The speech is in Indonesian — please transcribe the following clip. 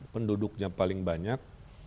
penduduknya paling banyak